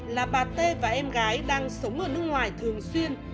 là bà tê và em gái đang sống ở nước ngoài thường xuyên